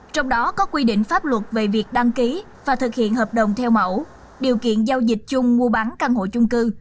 trong đó có quy định pháp luật về việc đăng ký và thực hiện hợp đồng theo mẫu điều kiện giao dịch chung mua bán căn hộ chung cư